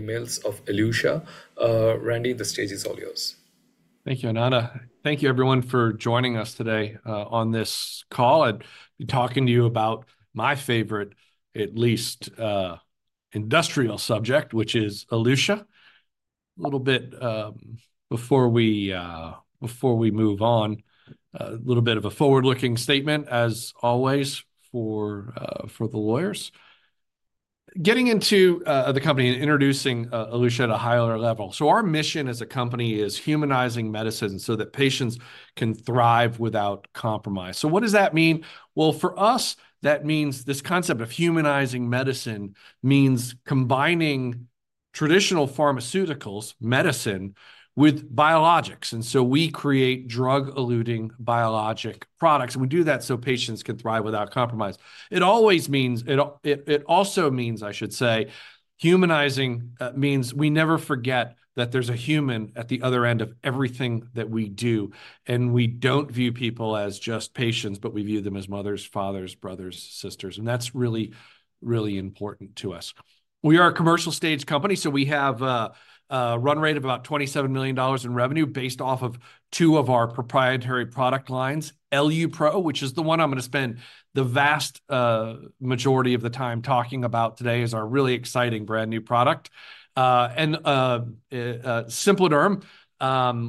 Mills of Elutia. Randy, the stage is all yours. Thank you, Anana. Thank you everyone for joining us today on this call and talking to you about my favorite, at least, industrial subject, which is Elutia. A little bit before we move on, a little bit of a forward-looking statement, as always, for the lawyers. Getting into the company and introducing Elutia at a higher level. So our mission as a company is humanizing medicine so that patients can thrive without compromise. So what does that mean? Well, for us, that means this concept of humanizing medicine means combining traditional pharmaceuticals, medicine, with biologics, and so we create drug-eluting biologic products, and we do that so patients can thrive without compromise. It always means... It also means, I should say, humanizing, means we never forget that there's a human at the other end of everything that we do, and we don't view people as just patients, but we view them as mothers, fathers, brothers, sisters, and that's really, really important to us. We are a commercial-stage company, so we have a run rate of about $27 million in revenue based off of two of our proprietary product lines: EluPro, which is the one I'm going to spend the vast majority of the time talking about today, is our really exciting brand-new product, and SimpliDerm,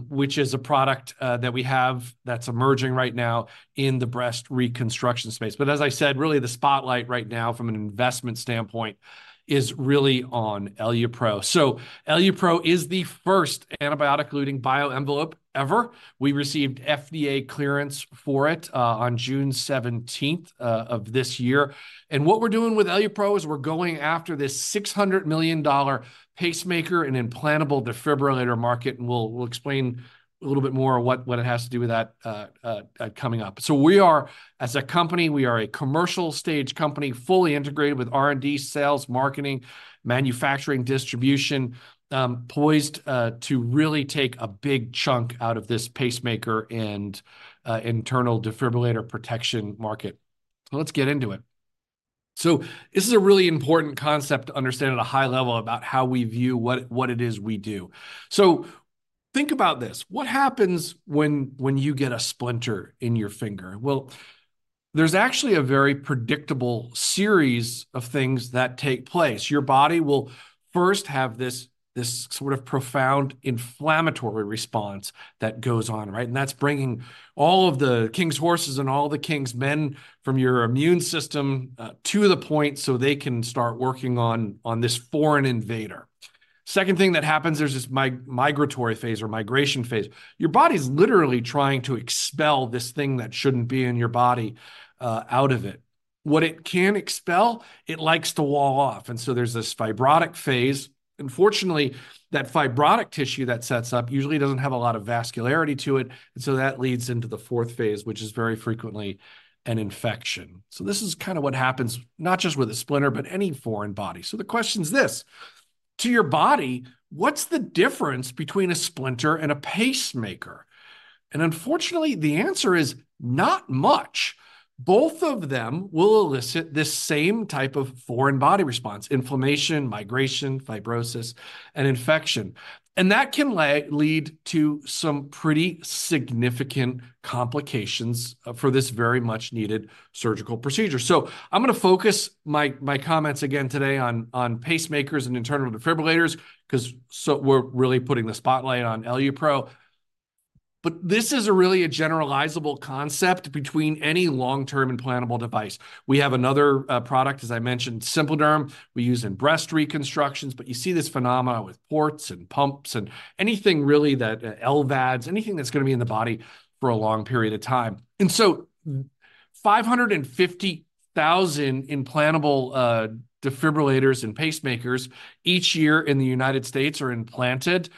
which is a product that we have that's emerging right now in the breast reconstruction space. But as I said, really, the spotlight right now from an investment standpoint is really on EluPro. EluPro is the first antibiotic-eluting bioenvelope ever. We received FDA clearance for it on June 17th of this year, and what we're doing with EluPro is we're going after this $600 million pacemaker and implantable defibrillator market, and we'll explain a little bit more what it has to do with that coming up. We are, as a company, a commercial-stage company, fully integrated with R&D, sales, marketing, manufacturing, distribution, poised to really take a big chunk out of this pacemaker and implantable defibrillator protection market. Let's get into it. This is a really important concept to understand at a high level about how we view what it is we do. Think about this: What happens when you get a splinter in your finger? There's actually a very predictable series of things that take place. Your body will first have this sort of profound inflammatory response that goes on, right? And that's bringing all of the king's horses and all the king's men from your immune system to the point, so they can start working on this foreign invader. Second thing that happens, there's this migratory phase or migration phase. Your body's literally trying to expel this thing that shouldn't be in your body out of it. What it can't expel, it likes to wall off, and so there's this fibrotic phase. Unfortunately, that fibrotic tissue that sets up usually doesn't have a lot of vascularity to it, and so that leads into the fourth phase, which is very frequently an infection. So this is kind of what happens not just with a splinter, but any foreign body. The question is this: To your body, what's the difference between a splinter and a pacemaker? Unfortunately, the answer is not much. Both of them will elicit this same type of foreign body response: inflammation, migration, fibrosis, and infection. That can lead to some pretty significant complications for this very much needed surgical procedure. I'm gonna focus my comments again today on pacemakers and internal defibrillators, 'cause we're really putting the spotlight on EluPro, but this is really a generalizable concept between any long-term implantable device. We have another product, as I mentioned, SimpliDerm, we use in breast reconstructions, but you see this phenomena with ports and pumps and anything really LVADs, anything that's gonna be in the body for a long period of time. 550,000 implantable defibrillators and pacemakers each year in the United States are implanted.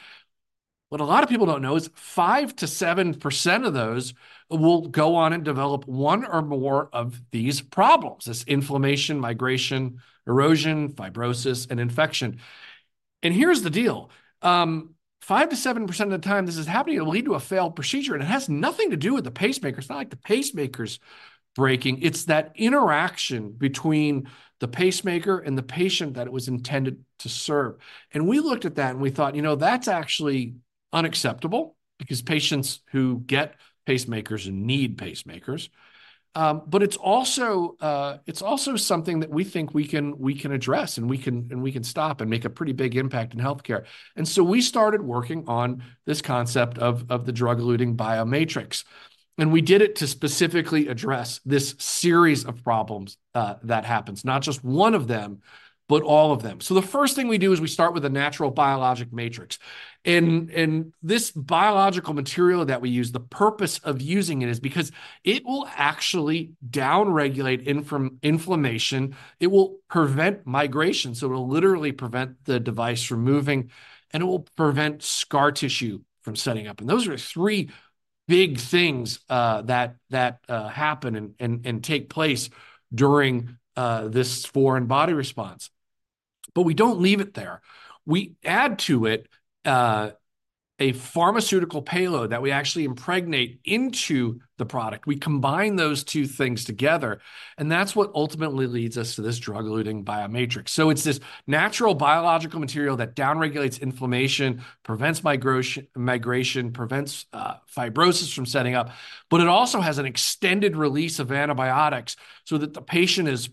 What a lot of people don't know is 5%-7% of those will go on and develop one or more of these problems, this inflammation, migration, erosion, fibrosis, and infection. Here's the deal, 5%-7% of the time this is happening, it will lead to a failed procedure, and it has nothing to do with the pacemaker. It's not like the pacemaker's breaking. It's that interaction between the pacemaker and the patient that it was intended to serve. We looked at that, and we thought, "You know, that's actually unacceptable," because patients who get pacemakers need pacemakers. But it's also something that we think we can address and stop and make a pretty big impact in healthcare. And so we started working on this concept of the drug-eluting biomatrix, and we did it to specifically address this series of problems that happens, not just one of them, but all of them. So the first thing we do is we start with a natural biologic matrix, and this biological material that we use, the purpose of using it is because it will actually down-regulate inflammation, it will prevent migration, so it'll literally prevent the device from moving, and it will prevent scar tissue from setting up. And those are three big things that happen and take place during this foreign body response. But we don't leave it there. We add to it a pharmaceutical payload that we actually impregnate into the product. We combine those two things together, and that's what ultimately leads us to this drug-eluting biomatrix. So it's this natural biological material that down-regulates inflammation, prevents migration, prevents fibrosis from setting up, but it also has an extended release of antibiotics so that the patient is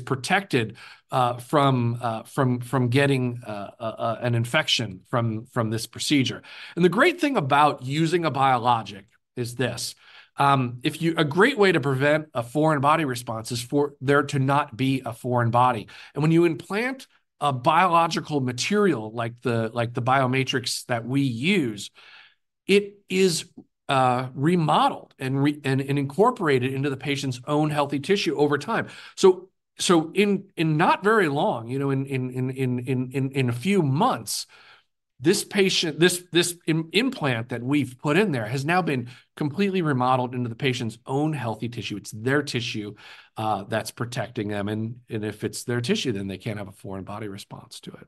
protected from getting an infection from this procedure. The great thing about using a biologic is this: A great way to prevent a foreign body response is for there to not be a foreign body, and when you implant a biological material like the biomatrix that we use, it is remodeled and incorporated into the patient's own healthy tissue over time. So in not very long, you know, in a few months, this implant that we've put in there has now been completely remodeled into the patient's own healthy tissue. It's their tissue that's protecting them, and if it's their tissue, then they can't have a foreign body response to it.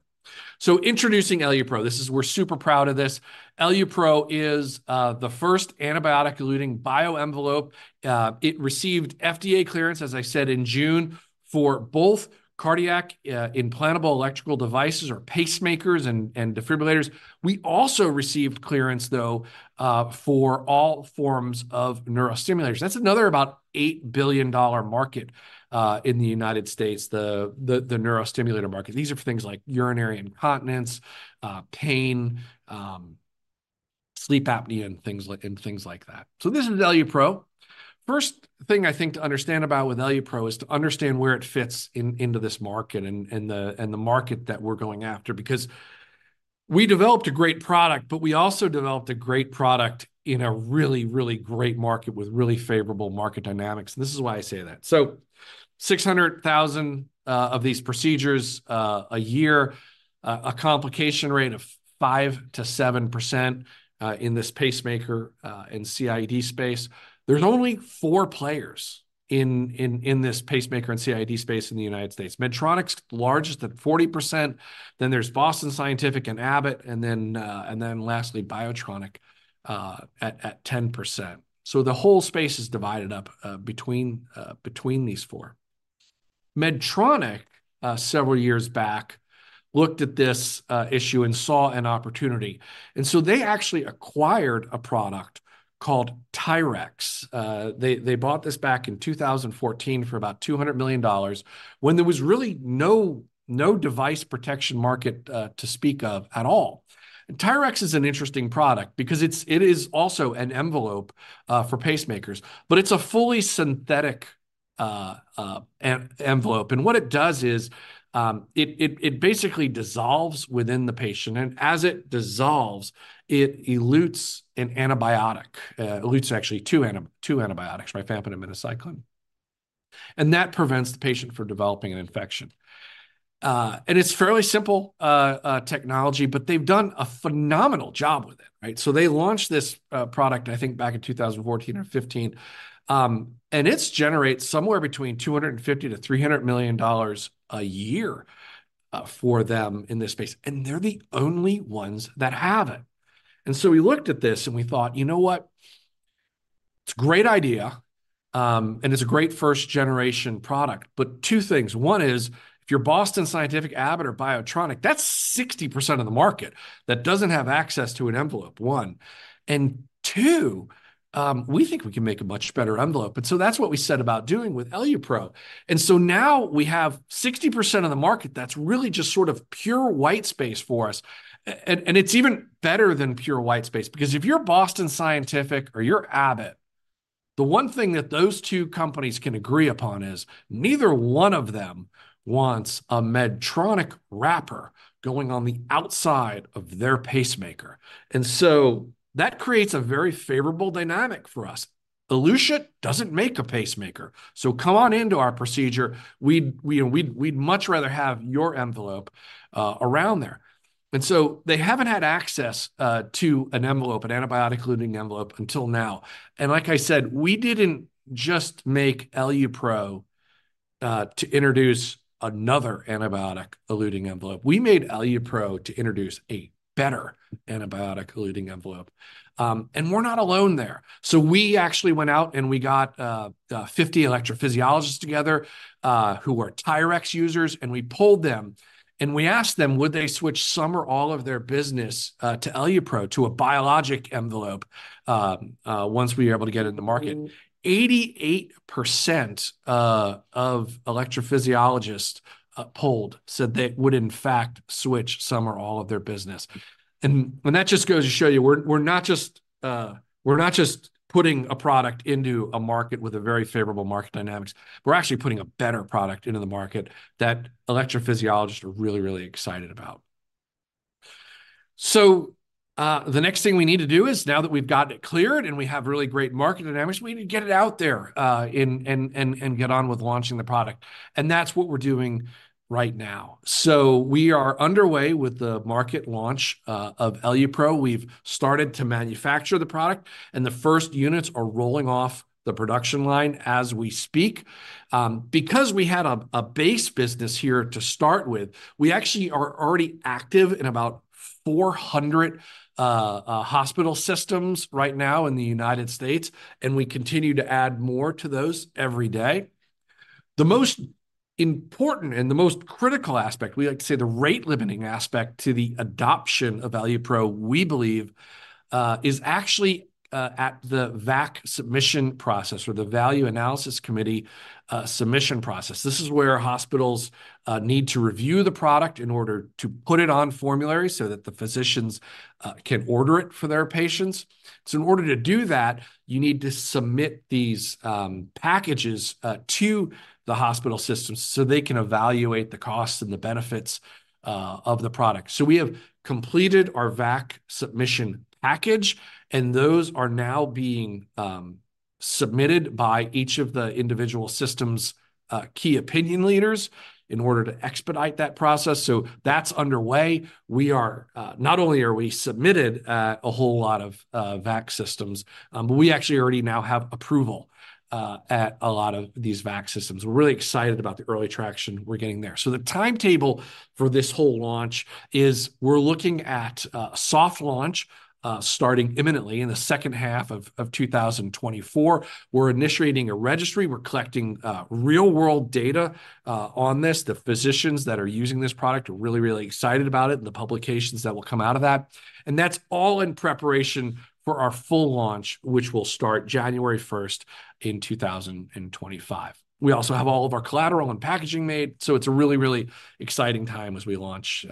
So introducing EluPro. This is. We're super proud of this. EluPro is the first antibiotic-eluting bioenvelope. It received FDA clearance, as I said, in June, for both cardiac implantable electrical devices or pacemakers and defibrillators. We also received clearance, though, for all forms of neurostimulators. That's another about $8 billion market in the United States, the neurostimulator market. These are for things like urinary incontinence, pain, sleep apnea, and things like that. So this is EluPro. First thing I think to understand about with EluPro is to understand where it fits into this market and the market that we're going after because we developed a great product, but we also developed a great product in a really, really great market with really favorable market dynamics. And this is why I say that. So 600,000 of these procedures a year, a complication rate of 5%-7%, in this pacemaker and CIED space. There's only four players in this pacemaker and CIED space in the United States. Medtronic's largest at 40%, then there's Boston Scientific and Abbott, and then lastly, Biotronik at 10%. So the whole space is divided up between these four. Medtronic several years back looked at this issue and saw an opportunity, and so they actually acquired a product called TYRX. They bought this back in 2014 for about $200 million, when there was really no device protection market to speak of at all. TYRX is an interesting product because it is also an envelope for pacemakers, but it's a fully synthetic envelope. And what it does is, it basically dissolves within the patient, and as it dissolves, it elutes an antibiotic. It elutes actually two antibiotics, rifampin and minocycline. And that prevents the patient from developing an infection. And it's fairly simple technology, but they've done a phenomenal job with it, right? So they launched this product, I think, back in 2014 or 2015. And it generates somewhere between $250 million-$300 million a year for them in this space, and they're the only ones that have it. And so we looked at this, and we thought, "You know what? It's a great idea, and it's a great first-generation product, but two things: One is, if you're Boston Scientific, Abbott, or Biotronik, that's 60% of the market that doesn't have access to an envelope, one. And two, we think we can make a much better envelope, and so that's what we set about doing with EluPro. And so now we have 60% of the market that's really just sort of pure white space for us. And it's even better than pure white space, because if you're Boston Scientific or you're Abbott, the one thing that those two companies can agree upon is neither one of them wants a Medtronic wrapper going on the outside of their pacemaker. And so that creates a very favorable dynamic for us. Elutia doesn't make a pacemaker, so come on into our procedure. We'd much rather have your envelope around there. And so they haven't had access to an envelope, an antibiotic-eluting envelope, until now. And like I said, we didn't just make EluPro to introduce another antibiotic-eluting envelope. We made EluPro to introduce a better antibiotic-eluting envelope. And we're not alone there. So we actually went out, and we got 50 electrophysiologists together who were TYRX users, and we polled them, and we asked them, would they switch some or all of their business to EluPro, to a biologic envelope once we were able to get it to market? 88% of electrophysiologists polled said they would, in fact, switch some or all of their business. That just goes to show you, we're not just putting a product into a market with a very favorable market dynamics. We're actually putting a better product into the market that electrophysiologists are really, really excited about. The next thing we need to do is, now that we've gotten it cleared, and we have really great market dynamics, we need to get it out there, and get on with launching the product. That's what we're doing right now. We are underway with the market launch of EluPro. We've started to manufacture the product, and the first units are rolling off the production line as we speak. Because we had a base business here to start with, we actually are already active in about 400 hospital systems right now in the United States, and we continue to add more to those every day. The most important and the most critical aspect, we like to say the rate-limiting aspect to the adoption of EluPro, we believe, is actually at the VAC submission process or the Value Analysis Committee submission process. This is where hospitals need to review the product in order to put it on formulary so that the physicians can order it for their patients. So in order to do that, you need to submit these packages to the hospital systems so they can evaluate the costs and the benefits of the product. So we have completed our VAC submission package, and those are now being submitted by each of the individual system's key opinion leaders in order to expedite that process. So that's underway. Not only are we submitted a whole lot of VAC systems, but we actually already now have approval at a lot of these VAC systems. We're really excited about the early traction we're getting there. So the timetable for this whole launch is we're looking at soft launch starting imminently in the second half of 2024. We're initiating a registry. We're collecting real-world data on this. The physicians that are using this product are really, really excited about it and the publications that will come out of that, and that's all in preparation for our full launch, which will start January 1st, 2025. We also have all of our collateral and packaging made, so it's a really, really exciting time as we launch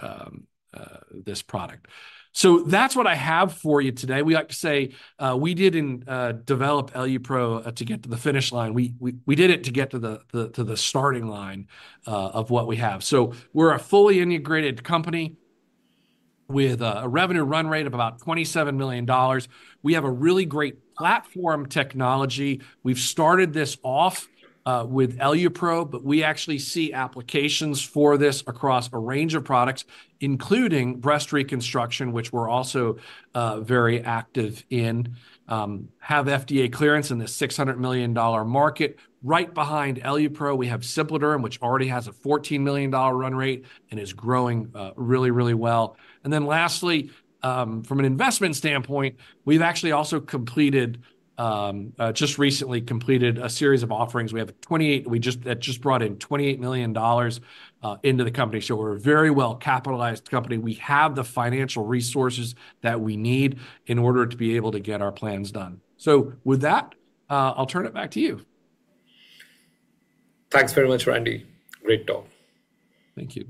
this product. So that's what I have for you today. We like to say we didn't develop EluPro to get to the finish line. We did it to get to the starting line of what we have. So we're a fully integrated company with a revenue run rate of about $27 million. We have a really great platform technology. We've started this off with EluPro, but we actually see applications for this across a range of products, including breast reconstruction, which we're also very active in. Have FDA clearance in the $600 million market. Right behind EluPro, we have SimpliDerm, which already has a $14 million run rate and is growing really, really well. And then lastly, from an investment standpoint, we've actually also completed just recently a series of offerings. We have twenty-eight. That just brought in $28 million into the company. So we're a very well-capitalized company. We have the financial resources that we need in order to be able to get our plans done. So with that, I'll turn it back to you. Thanks very much, Randy. Great talk. Thank you.